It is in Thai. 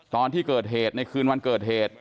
ตอนที่เกิดเหตุในคืนวันเกิดเหตุ